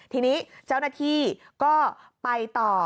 ทีนี้เจ้าหน้าที่ก็ไปต่อ